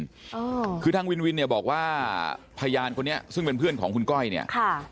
อ่าคือทางวินวินเนี่ยบอกว่าพยานคนนี้ซึ่งเป็นเพื่อนของคุณก้อยเนี้ยค่ะ